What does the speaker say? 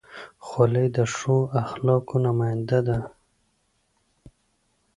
خولۍ د ښو اخلاقو نماینده ده.